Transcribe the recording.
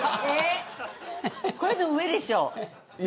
これ上でしょう。